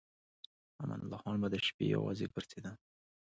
امان الله خان به د شپې یوازې ګرځېده.